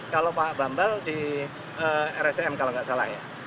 kalau pak bambang di rsm kalau gak salah ya